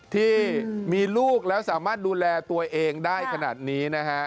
ที่มีลูกแล้วสามารถดูแลตัวเองได้ขนาดนี้นะฮะ